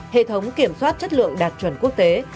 hệ thống kiểm soát chất lượng đạt chuẩn quốc tế